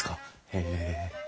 へえ。